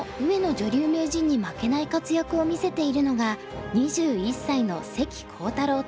女流名人に負けない活躍を見せているのが２１歳の関航太郎天元。